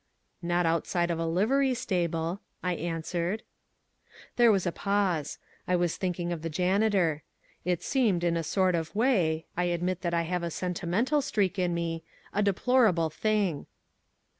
"Not outside of a livery stable," I answered. There was a pause. I was thinking of the janitor. It seemed in a sort of way I admit that I have a sentimental streak in me a deplorable thing.